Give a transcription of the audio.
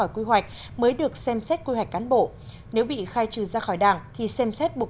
quy hoạch mới được xem xét quy hoạch cán bộ nếu bị khai trừ ra khỏi đảng thì xem xét buộc